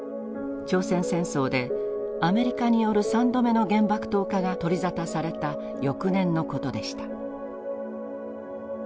朝鮮戦争でアメリカによる３度目の原爆投下が取り沙汰された翌年のことでした。